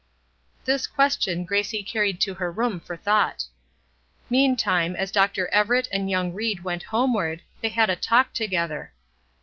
This question Gracie carried to her room for thought. Meantime, as Dr. Everett and young Ried went homeward, they had a talk together.